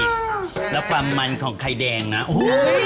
ใช่แล้วปลามันของไข่แดงนะโอ้โฮเหม็นมาก